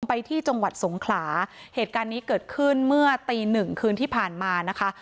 ไปที่จังหวัดสงขลาเหตุการณ์นี้เกิดขึ้นเมื่อตีหนึ่งคืนที่ผ่านมานะคะ